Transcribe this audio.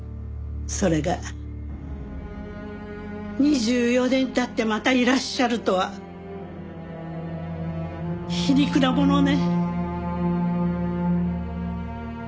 それが２４年経ってまたいらっしゃるとは皮肉なものね。